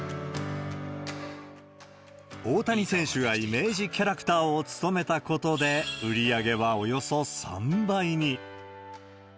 大谷選手がイメージキャラクターを務めたことで、売り上げはおよそ３倍に。